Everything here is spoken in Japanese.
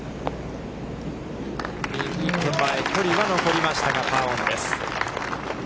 右手前、距離は残りましたが、パーオンです。